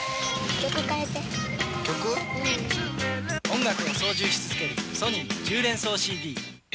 音楽を操縦し続けるＳＯＮＹ１０連奏ＣＤ。